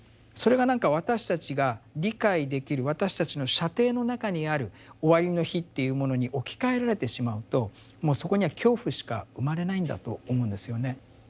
それが何か私たちが理解できる私たちの射程の中にある「終わりの日」っていうものに置き換えられてしまうともうそこには恐怖しか生まれないんだと思うんですよね。